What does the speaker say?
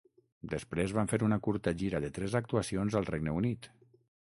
Després van fer una curta gira de tres actuacions al Regne Unit.